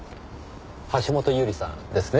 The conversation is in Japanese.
橋本百合さんですね？